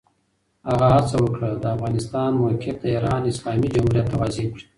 هغه هڅه وکړه، د افغانستان موقف د ایران اسلامي جمهوریت ته واضح کړي.